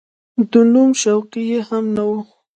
د نوم شوقي یې هم نه و.